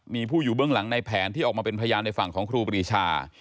มีผู้อยู่เบื้องหลังในแผนที่ออกมาเป็นพยานในฝั่งของครูปรีชา